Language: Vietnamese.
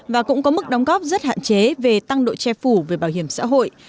và cũng có mức đóng góp rất hạn chế về tăng độ che phủ về bảo hiểm xã hội